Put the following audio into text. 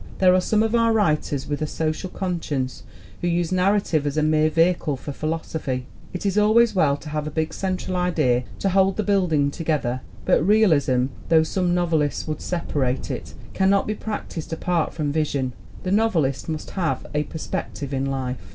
There are some of our writers with a social conscience who use narrative as a mere vehicle for philosophy. It is al ways well to have a big central idea to hold the build ing together, but realism though some novelists would separate it cannot be practiced apart from vision. The novelist must have a perspective in life.